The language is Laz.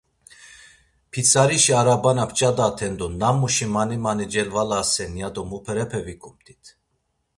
Pitsarişi arabana p̌ç̌adaten do namuşi mani mani celvalasen, ya do muperepe vikumt̆it.